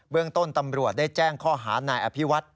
เรื่องต้นตำรวจได้แจ้งข้อหานายอภิวัต